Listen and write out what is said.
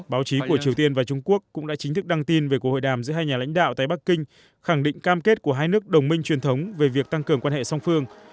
báo chí của triều tiên và trung quốc cũng đã chính thức đăng tin về cuộc hội đàm giữa hai nhà lãnh đạo tại bắc kinh khẳng định cam kết của hai nước đồng minh truyền thống về việc tăng cường quan hệ song phương